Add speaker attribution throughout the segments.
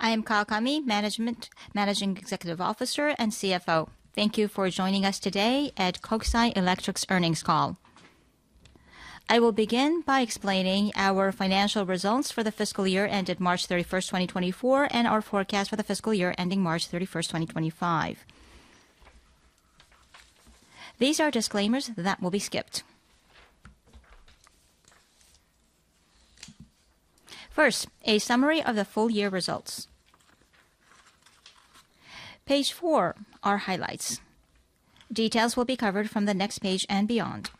Speaker 1: I am Yoshitaka Kawakami, Managing Executive Officer and CFO. Thank you for joining us today at Kokusai Electric's earnings call. I will begin by explaining our financial results for the fiscal year ended March 31, 2024, and our forecast for the fiscal year ending March 31, 2025. These are disclaimers that will be skipped. First, a summary of the full year results. Page four are highlights. Details will be covered from the next page and beyond.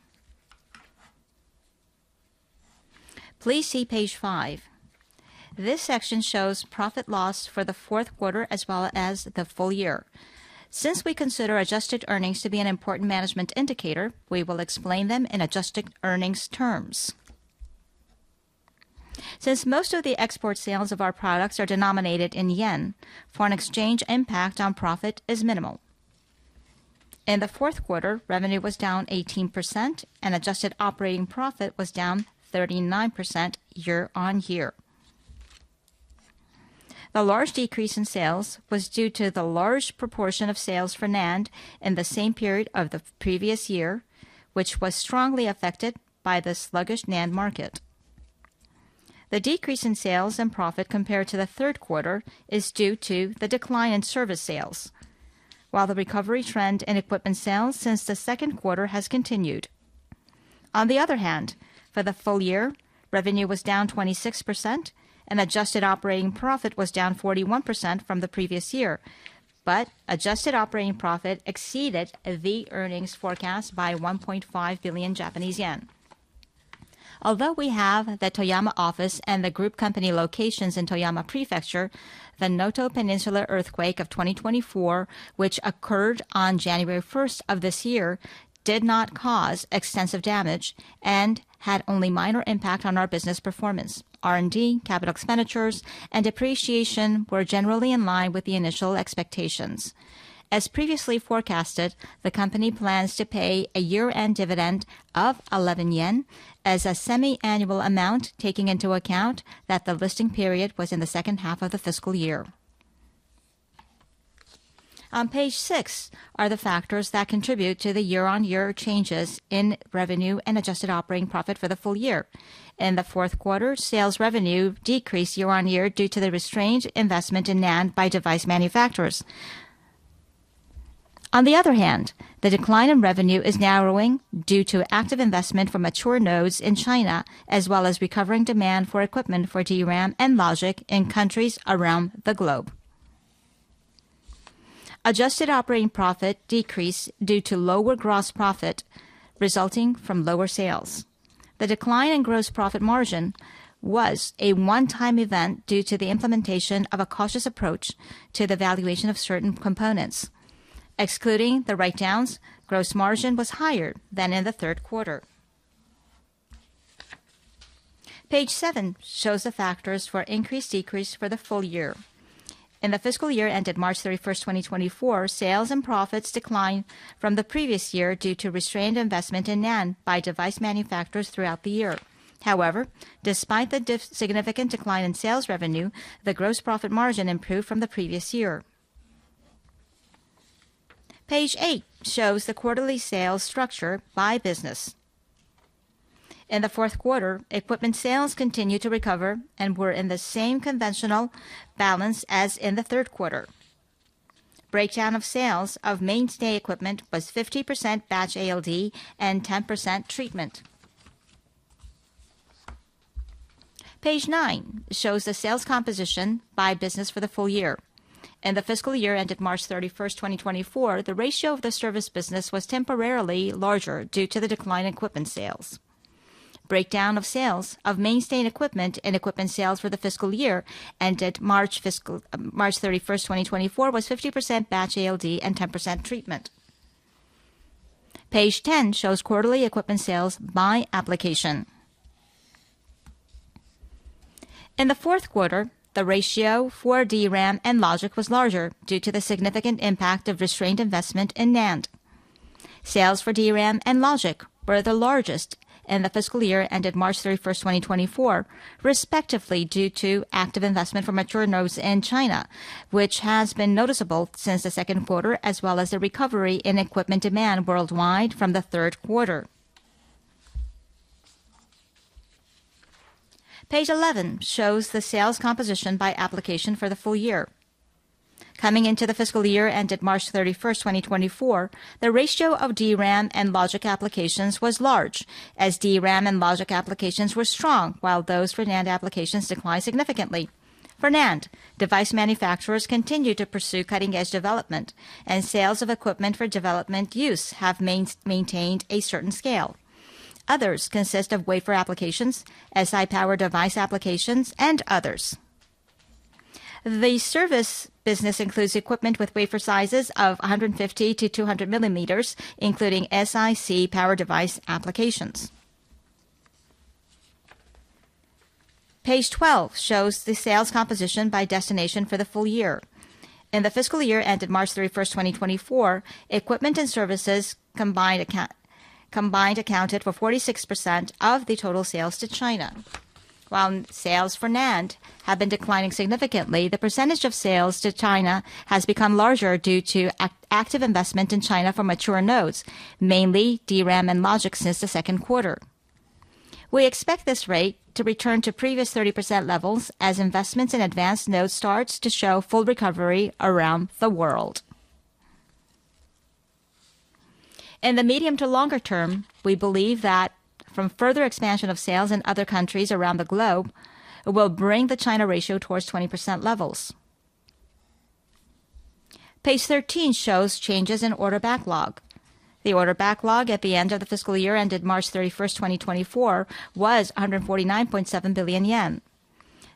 Speaker 1: Please see page five. This section shows profit loss for the fourth quarter as well as the full year. Since we consider adjusted earnings to be an important management indicator, we will explain them in adjusted earnings terms. Since most of the export sales of our products are denominated in yen, foreign exchange impact on profit is minimal. In the fourth quarter, revenue was down 18% and adjusted operating profit was down 39% year-on-year. The large decrease in sales was due to the large proportion of sales for NAND in the same period of the previous year, which was strongly affected by the sluggish NAND market. The decrease in sales and profit compared to the third quarter is due to the decline in service sales, while the recovery trend in equipment sales since the second quarter has continued. On the other hand, for the full year, revenue was down 26% and adjusted operating profit was down 41% from the previous year, but adjusted operating profit exceeded the earnings forecast by 1.5 billion Japanese yen. Although we have the Toyama office and the group company locations in Toyama Prefecture, the Noto Peninsula earthquake of 2024, which occurred on January 1 of this year, did not cause extensive damage and had only minor impact on our business performance. R&D, capital expenditures, and depreciation were generally in line with the initial expectations. As previously forecasted, the company plans to pay a year-end dividend of 11 yen as a semi-annual amount, taking into account that the listing period was in the second half of the fiscal year. On page 6 are the factors that contribute to the year-on-year changes in revenue and adjusted operating profit for the full year. In the fourth quarter, sales revenue decreased year-on-year due to the restrained investment in NAND by device manufacturers. On the other hand, the decline in revenue is narrowing due to active investment from mature nodes in China, as well as recovering demand for equipment for DRAM and logic in countries around the globe. Adjusted operating profit decreased due to lower gross profit resulting from lower sales. The decline in gross profit margin was a one-time event due to the implementation of a cautious approach to the valuation of certain components. Excluding the write-downs, gross margin was higher than in the third quarter. Page seven shows the factors for increase, decrease for the full year. In the fiscal year ended March 31, 2024, sales and profits declined from the previous year due to restrained investment in NAND by device manufacturers throughout the year. However, despite the significant decline in sales revenue, the gross profit margin improved from the previous year. Page eight shows the quarterly sales structure by business. In the fourth quarter, equipment sales continued to recover and were in the same conventional balance as in the third quarter. Breakdown of sales of mainstay equipment was 50% Batch ALD and 10% treatment. Page 9 shows the sales composition by business for the full year. In the fiscal year ended March 31, 2024, the ratio of the service business was temporarily larger due to the decline in equipment sales. Breakdown of sales of mainstay equipment and equipment sales for the fiscal year ended March 31, 2024, was 50% Batch ALD and 10% treatment. Page 10 shows quarterly equipment sales by application. In the fourth quarter, the ratio for DRAM and logic was larger due to the significant impact of restrained investment in NAND. Sales for DRAM and logic were the largest in the fiscal year ended March 31, 2024, respectively, due to active investment from mature nodes in China, which has been noticeable since the second quarter, as well as a recovery in equipment demand worldwide from the third quarter. Page 11 shows the sales composition by application for the full year. Coming into the fiscal year ended March 31, 2024, the ratio of DRAM and logic applications was large as DRAM and logic applications were strong, while those for NAND applications declined significantly. For NAND, device manufacturers continued to pursue cutting-edge development, and sales of equipment for development use have maintained a certain scale. Others consist of wafer applications, Si power device applications, and others. The service business includes equipment with wafer sizes of 150-200 millimeters, including SiC power device applications. Page 12 shows the sales composition by destination for the full year. In the fiscal year ended March 31, 2024, equipment and services combined accounted for 46% of the total sales to China. While sales for NAND have been declining significantly, the percentage of sales to China has become larger due to active investment in China for mature nodes, mainly DRAM and logic, since the second quarter. We expect this rate to return to previous 30% levels as investments in advanced nodes starts to show full recovery around the world. In the medium to longer term, we believe that from further expansion of sales in other countries around the globe, will bring the China ratio towards 20% levels. Page 13 shows changes in order backlog. The order backlog at the end of the fiscal year ended March 31, 2024, was 149.7 billion yen.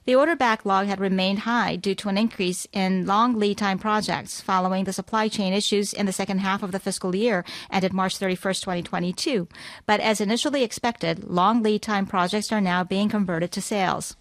Speaker 1: The order backlog had remained high due to an increase in long lead time projects following the supply chain issues in the second half of the fiscal year, ended March 31, 2022. But as initially expected, long lead time projects are now being converted to sales.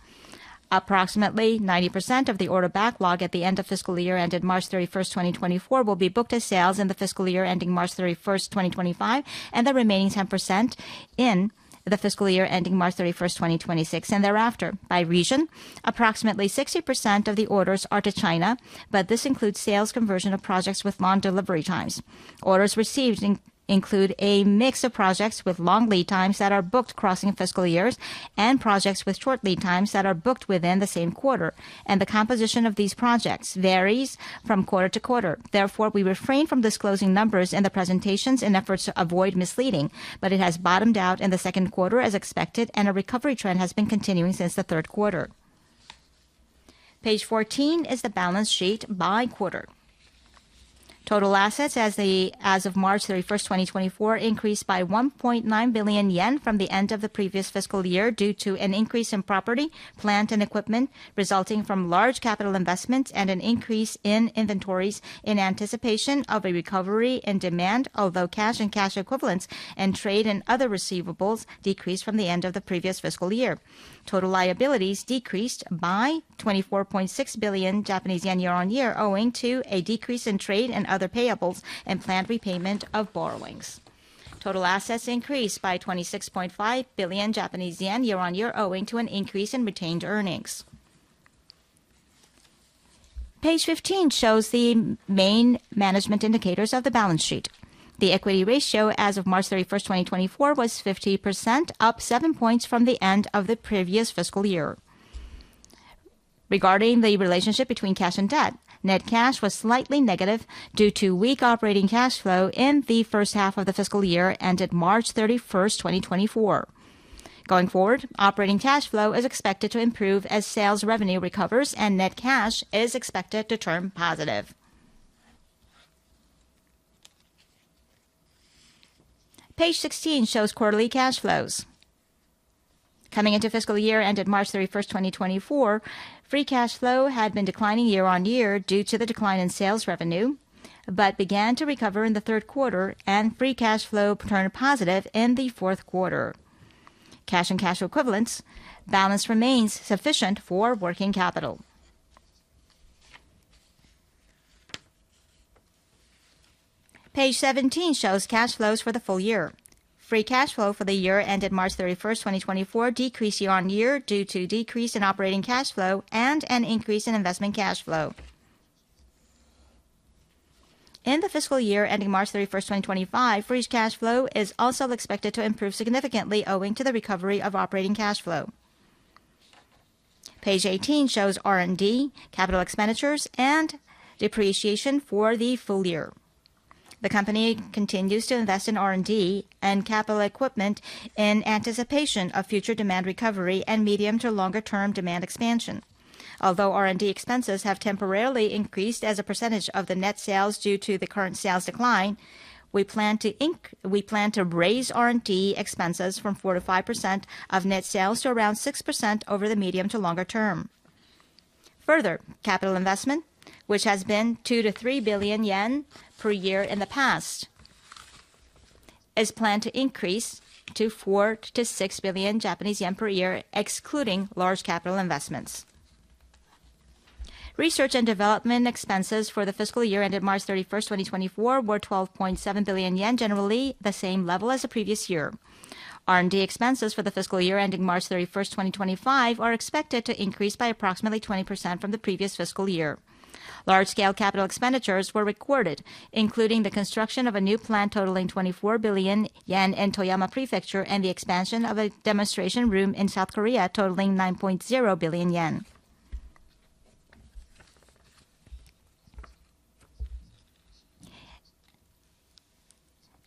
Speaker 1: Approximately 90% of the order backlog at the end of fiscal year, ended March 31, 2024, will be booked as sales in the fiscal year ending March 31, 2025, and the remaining 10% in the fiscal year ending March 31, 2026, and thereafter. By region, approximately 60% of the orders are to China, but this includes sales conversion of projects with long delivery times. Orders received include a mix of projects with long lead times that are booked crossing fiscal years, and projects with short lead times that are booked within the same quarter, and the composition of these projects varies from quarter to quarter. Therefore, we refrain from disclosing numbers in the presentations in efforts to avoid misleading, but it has bottomed out in the second quarter as expected, and a recovery trend has been continuing since the third quarter. Page 14 is the balance sheet by quarter. Total assets as of March 31, 2024, increased by 1.9 billion yen from the end of the previous fiscal year, due to an increase in property, plant and equipment, resulting from large capital investments and an increase in inventories in anticipation of a recovery in demand, although cash and cash equivalents and trade and other receivables decreased from the end of the previous fiscal year. Total liabilities decreased by 24.6 billion Japanese yen year-on-year, owing to a decrease in trade and other payables and planned repayment of borrowings. Total equity increased by 26.5 billion Japanese yen year-on-year, owing to an increase in retained earnings. Page 15 shows the main management indicators of the balance sheet. The equity ratio as of March 31, 2024, was 50%, up 7 points from the end of the previous fiscal year. Regarding the relationship between cash and debt, net cash was slightly negative due to weak operating cash flow in the first half of the fiscal year, ended March 31, 2024. Going forward, operating cash flow is expected to improve as sales revenue recovers and net cash is expected to turn positive. Page 16 shows quarterly cash flows. Coming into fiscal year ended March 31, 2024, free cash flow had been declining year-on-year due to the decline in sales revenue, but began to recover in the third quarter, and free cash flow turned positive in the fourth quarter. Cash and cash equivalents balance remains sufficient for working capital. Page 17 shows cash flows for the full year. Free cash flow for the year ended March 31, 2024, decreased year-on-year due to decrease in operating cash flow and an increase in investment cash flow. In the fiscal year ending March 31, 2025, free cash flow is also expected to improve significantly, owing to the recovery of operating cash flow. Page 18 shows R&D, capital expenditures, and depreciation for the full year. The company continues to invest in R&D and capital equipment in anticipation of future demand recovery and medium to longer term demand expansion. Although R&D expenses have temporarily increased as a percentage of the net sales due to the current sales decline, we plan to raise R&D expenses from 4%-5% of net sales to around 6% over the medium to longer term. Further, capital investment, which has been 2 billion-3 billion yen per year in the past, is planned to increase to 4 billion-6 billion Japanese yen per year, excluding large capital investments. Research and development expenses for the fiscal year ended March 31, 2024, were 12.7 billion yen, generally the same level as the previous year. R&D expenses for the fiscal year ending March 31, 2025, are expected to increase by approximately 20% from the previous fiscal year. Large-scale capital expenditures were recorded, including the construction of a new plant totaling 24 billion yen in Toyama Prefecture, and the expansion of a demonstration room in South Korea, totaling 9.0 billion yen.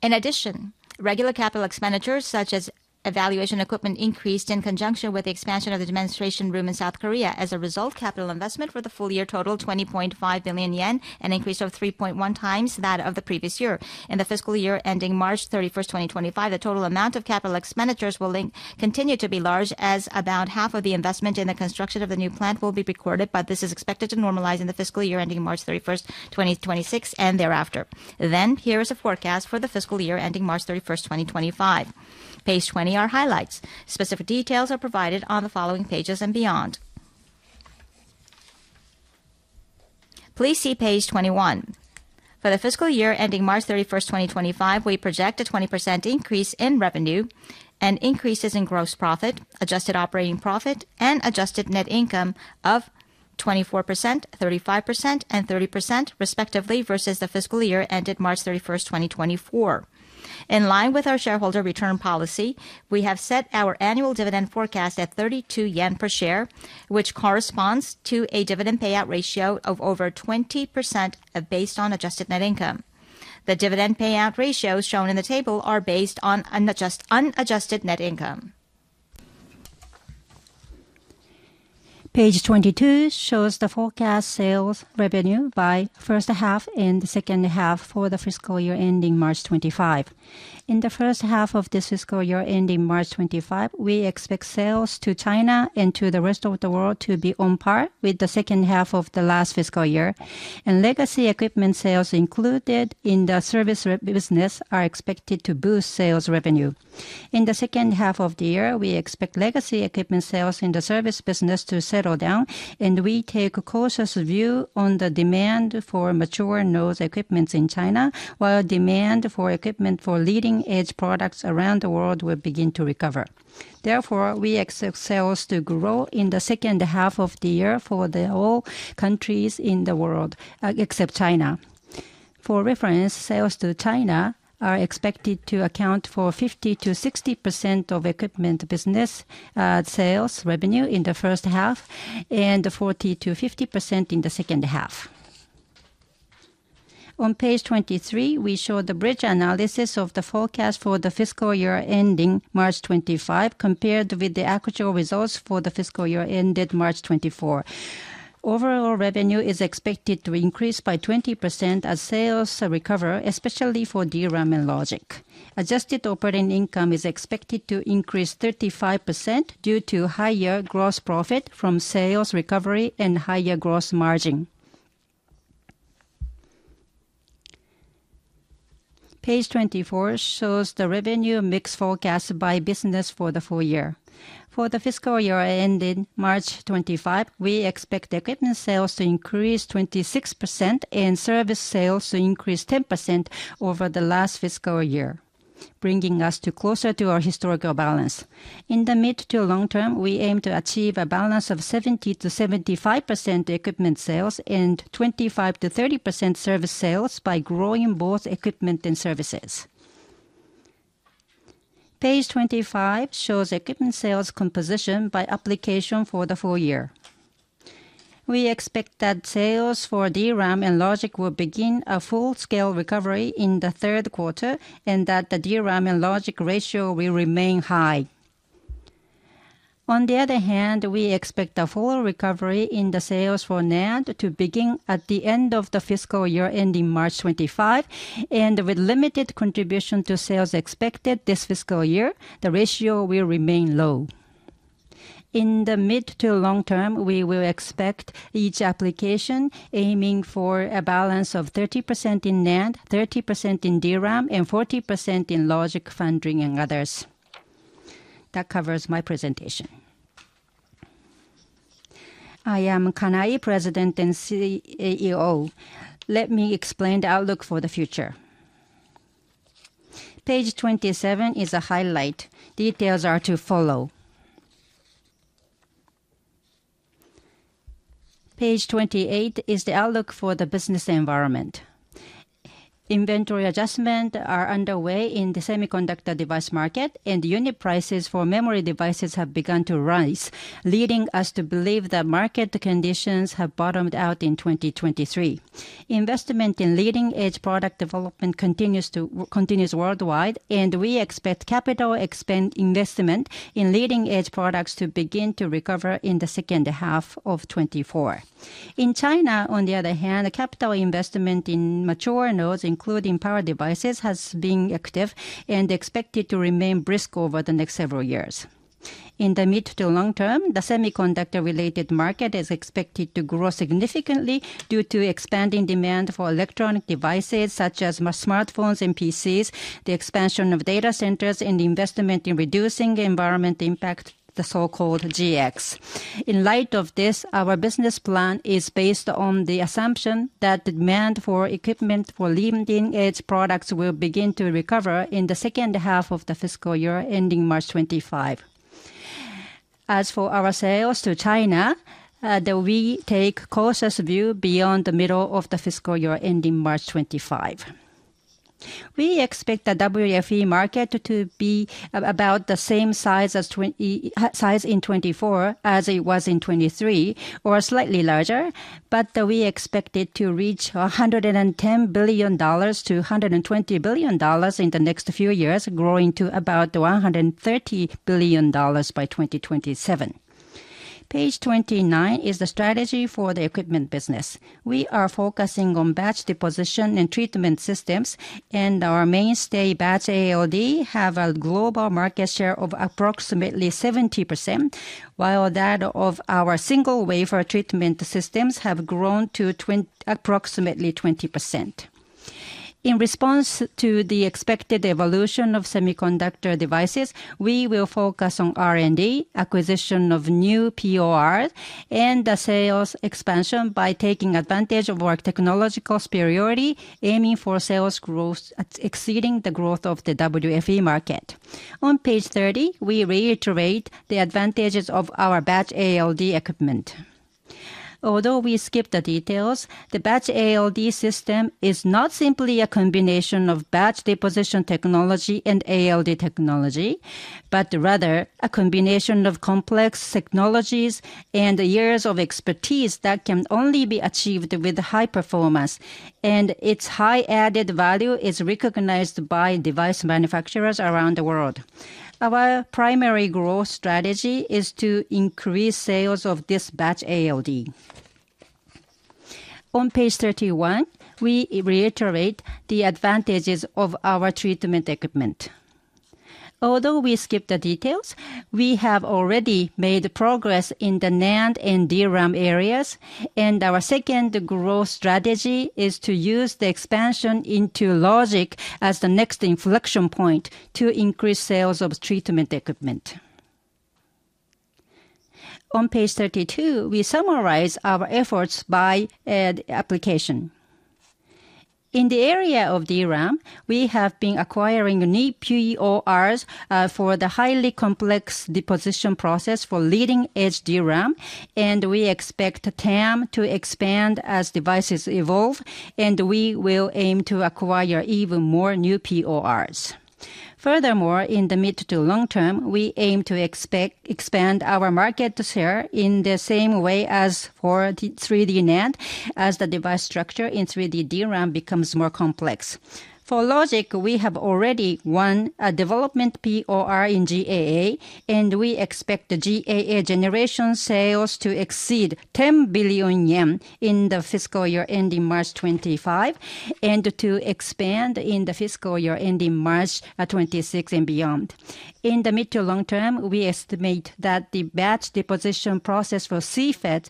Speaker 1: In addition, regular capital expenditures, such as evaluation equipment, increased in conjunction with the expansion of the demonstration room in South Korea. As a result, capital investment for the full year totaled 20.5 billion yen, an increase of 3.1 times that of the previous year. In the fiscal year ending March 31, 2025, the total amount of capital expenditures will continue to be large, as about half of the investment in the construction of the new plant will be recorded, but this is expected to normalize in the fiscal year ending March 31, 2026, and thereafter. Then, here is a forecast for the fiscal year ending March 31, 2025. Page 20 are highlights. Specific details are provided on the following pages and beyond. Please see page 21. For the fiscal year ending March 31, 2025, we project a 20% increase in revenue and increases in gross profit, adjusted operating profit, and adjusted net income of 24%, 35%, and 30% respectively, versus the fiscal year ended March 31, 2024. In line with our shareholder return policy, we have set our annual dividend forecast at 32 yen per share, which corresponds to a dividend payout ratio of over 20% based on adjusted net income. The dividend payout ratios shown in the table are based on unadjusted net income. Page 22 shows the forecast sales revenue by first half and the second half for the fiscal year ending March 2025. In the first half of this fiscal year ending March 25, we expect sales to China and to the rest of the world to be on par with the second half of the last fiscal year. Legacy equipment sales included in the service business are expected to boost sales revenue. In the second half of the year, we expect legacy equipment sales in the service business to settle down, and we take a cautious view on the demand for mature node equipments in China, while demand for equipment for leading-edge products around the world will begin to recover. Therefore, we expect sales to grow in the second half of the year for all countries in the world, except China. For reference, sales to China are expected to account for 50%-60% of equipment business, sales revenue in the first half, and 40%-50% in the second half. On page 23, we show the bridge analysis of the forecast for the fiscal year ending March 2025, compared with the actual results for the fiscal year ended March 2024. Overall revenue is expected to increase by 20% as sales, recover, especially for DRAM and Logic. Adjusted operating income is expected to increase 35% due to higher gross profit from sales recovery and higher gross margin. Page 24 shows the revenue mix forecast by business for the full year. For the fiscal year ending March 2025, we expect equipment sales to increase 26% and service sales to increase 10% over the last fiscal year, bringing us to closer to our historical balance. In the mid- to long-term, we aim to achieve a balance of 70%-75% equipment sales and 25%-30% service sales by growing both equipment and services. Page 25 shows equipment sales composition by application for the full year. We expect that sales for DRAM and Logic will begin a full-scale recovery in the third quarter, and that the DRAM and Logic ratio will remain high. On the other hand, we expect a full recovery in the sales for NAND to begin at the end of the fiscal year, ending March 2025. With limited contribution to sales expected this fiscal year, the ratio will remain low. In the mid- to long-term, we will expect each application aiming for a balance of 30% in NAND, 30% in DRAM, and 40% in Logic, Foundry, and others. That covers my presentation.
Speaker 2: I am Kanai, President and CEO. Let me explain the outlook for the future. Page 27 is a highlight. Details are to follow. Page 28 is the outlook for the business environment. Inventory adjustments are underway in the semiconductor device market, and unit prices for memory devices have begun to rise, leading us to believe that market conditions have bottomed out in 2023. Investment in leading-edge product development continues worldwide, and we expect capital expenditure investment in leading-edge products to begin to recover in the second half of 2024. In China, on the other hand, the capital investment in mature nodes, including power devices, has been active and expected to remain brisk over the next several years. In the mid to long term, the semiconductor-related market is expected to grow significantly due to expanding demand for electronic devices, such as smartphones and PCs, the expansion of data centers, and the investment in reducing environmental impact, the so-called GX. In light of this, our business plan is based on the assumption that demand for equipment for leading-edge products will begin to recover in the second half of the fiscal year, ending March 2025. As for our sales to China, we take cautious view beyond the middle of the fiscal year, ending March 2025. We expect the WFE market to be about the same size in 2024 as it was in 2023, or slightly larger. But we expect it to reach $110 billion-$120 billion in the next few years, growing to about $130 billion by 2027. Page 29 is the strategy for the equipment business. We are focusing on batch deposition and treatment systems, and our mainstay batch ALD have a global market share of approximately 70%, while that of our single wafer treatment systems have grown to approximately 20%. In response to the expected evolution of semiconductor devices, we will focus on R&D, acquisition of new PORs, and the sales expansion by taking advantage of our technological superiority, aiming for sales growth at exceeding the growth of the WFE market. On page 30, we reiterate the advantages of our batch ALD equipment. Although we skip the details, the Batch ALD system is not simply a combination of batch deposition technology and ALD technology, but rather a combination of complex technologies and years of expertise that can only be achieved with high performance, and its high added value is recognized by device manufacturers around the world. Our primary growth strategy is to increase sales of this Batch ALD. On page 31, we reiterate the advantages of our treatment equipment. Although we skip the details, we have already made progress in the NAND and DRAM areas, and our second growth strategy is to use the expansion into Logic as the next inflection point to increase sales of treatment equipment. On page 32, we summarize our efforts by application. In the area of DRAM, we have been acquiring new PORs for the highly complex deposition process for leading-edge DRAM, and we expect TAM to expand as devices evolve, and we will aim to acquire even more new PORs. Furthermore, in the mid to long term, we aim to expand our market share in the same way as for the 3D NAND, as the device structure in 3D DRAM becomes more complex. For logic, we have already won a development POR in GAA, and we expect the GAA generation sales to exceed 10 billion yen in the fiscal year ending March 2025, and to expand in the fiscal year ending March 2026 and beyond. In the mid to long term, we estimate that the batch deposition process for CFET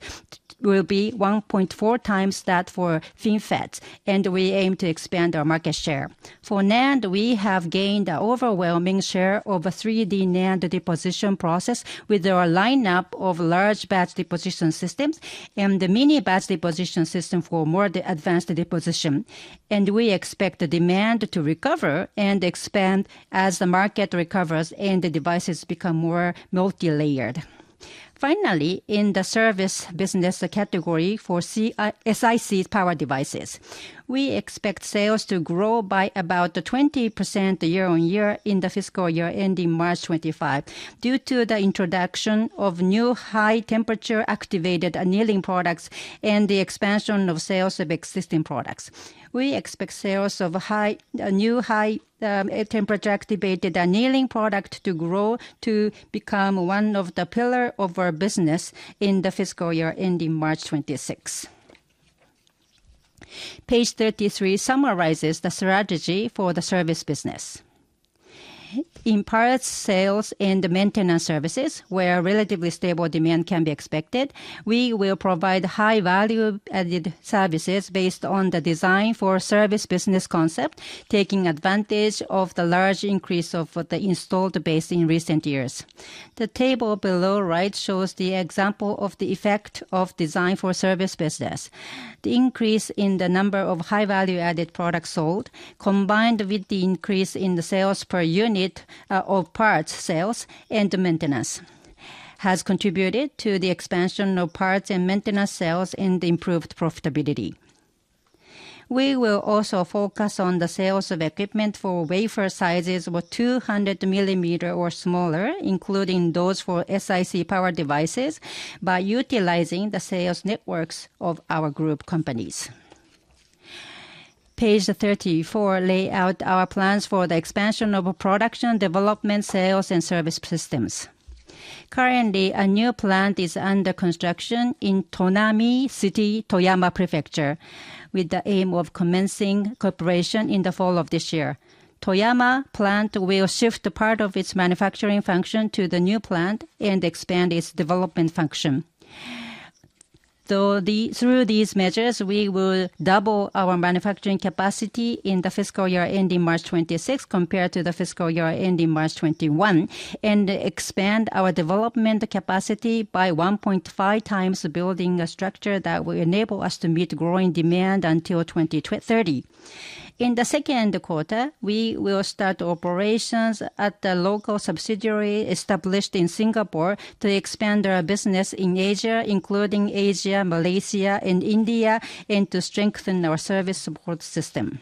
Speaker 2: will be 1.4 times that for FinFET, and we aim to expand our market share. For NAND, we have gained an overwhelming share of 3D NAND deposition process with our lineup of large batch deposition systems and the mini batch deposition system for more advanced deposition. We expect the demand to recover and expand as the market recovers and the devices become more multilayered. Finally, in the service business category for SiC power devices, we expect sales to grow by about 20% year-on-year in the fiscal year ending March 2025, due to the introduction of new high-temperature activation annealing products and the expansion of sales of existing products. We expect sales of new high-temperature activation annealing product to grow to become one of the pillar of our business in the fiscal year ending March 2026. Page 33 summarizes the strategy for the service business. In parts, sales, and maintenance services, where relatively stable demand can be expected, we will provide high-value added services based on the Design for Service business concept, taking advantage of the large increase of the installed base in recent years. The table below right shows the example of the effect of Design for Service business. The increase in the number of high-value-added products sold, combined with the increase in the sales per unit of parts sales and maintenance, has contributed to the expansion of parts and maintenance sales and improved profitability. We will also focus on the sales of equipment for wafer sizes with 200 millimeter or smaller, including those for SiC power devices, by utilizing the sales networks of our group companies. Page 34 lays out our plans for the expansion of production, development, sales, and service systems. Currently, a new plant is under construction in Tonami City, Toyama Prefecture, with the aim of commencing operations in the fall of this year. Toyama plant will shift a part of its manufacturing function to the new plant and expand its development function. Through these measures, we will double our manufacturing capacity in the fiscal year ending March 2026, compared to the fiscal year ending March 2021, and expand our development capacity by 1.5 times, building a structure that will enable us to meet growing demand until 2030. In the second quarter, we will start operations at the local subsidiary established in Singapore to expand our business in Asia, including ASEAN, Malaysia, and India, and to strengthen our service support system.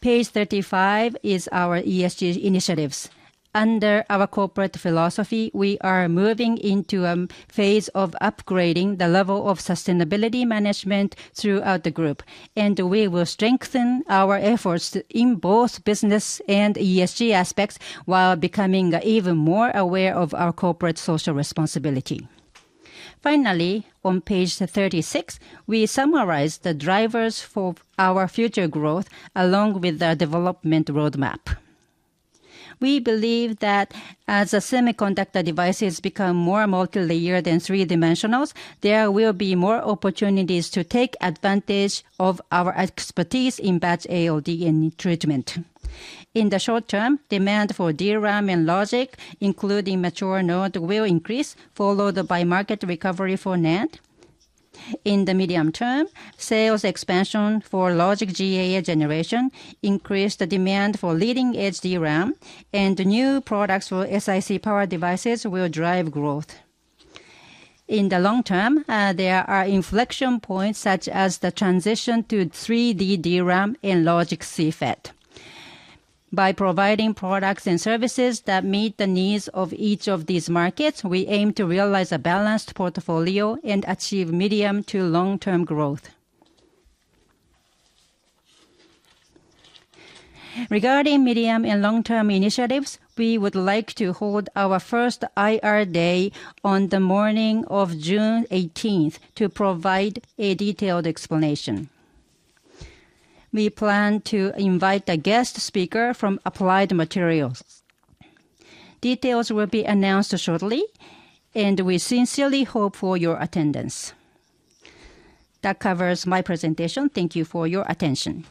Speaker 2: Page 35 is our ESG initiatives. Under our corporate philosophy, we are moving into phase of upgrading the level of sustainability management throughout the group, and we will strengthen our efforts in both business and ESG aspects, while becoming even more aware of our corporate social responsibility. Finally, on page 36, we summarize the drivers for our future growth, along with the development roadmap. We believe that as the semiconductor devices become more multilayered and three-dimensional, there will be more opportunities to take advantage of our expertise in batch ALD and treatment. In the short term, demand for DRAM and logic, including mature node, will increase, followed by market recovery for NAND. In the medium term, sales expansion for logic GAA generation increase the demand for leading-edge DRAM, and new products for SiC power devices will drive growth. In the long term, there are inflection points, such as the transition to 3D DRAM and logic CFET. By providing products and services that meet the needs of each of these markets, we aim to realize a balanced portfolio and achieve medium to long-term growth. Regarding medium and long-term initiatives, we would like to hold our first IR Day on the morning of June eighteenth to provide a detailed explanation. We plan to invite a guest speaker from Applied Materials. Details will be announced shortly, and we sincerely hope for your attendance. That covers my presentation. Thank you for your attention.